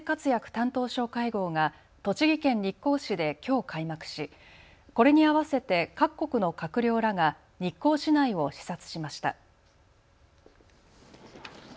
担当相会合が栃木県日光市できょう開幕しこれに合わせて各国の閣僚らが日光市内を視察しました。